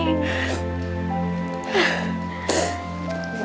ya mama teringet